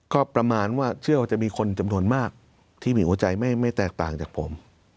ก็ประมาณว่าเชื่อว่าจะมีคนจำนวนมากที่มีหัวใจไม่แตกต่างจากผม